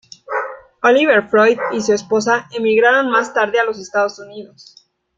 Oliver Freud y su esposa emigraron más tarde a los Estados Unidos.